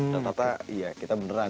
rata rata iya kita beneran